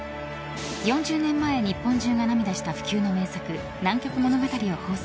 ４０年前、日本中が涙した不朽の名作「南極物語」を放送。